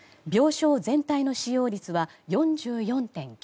病床全体の使用率は４４．９％。